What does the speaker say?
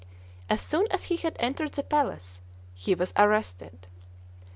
As soon as he had entered the palace he was arrested.